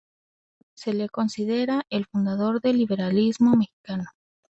Se le considera el fundador del liberalismo mexicano.